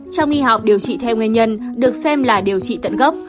trong y học điều trị theo nguyên nhân được xem là điều trị tận gốc